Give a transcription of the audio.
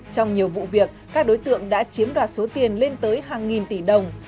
trong nhiều vụ việc các đối tượng đã chiếm đoạt số tiền lên tới hàng nghìn tỷ đồng